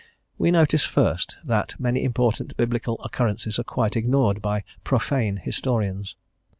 We notice first that many important Biblical occurrences are quite ignored by "profane" historians.